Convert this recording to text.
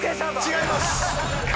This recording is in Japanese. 違います！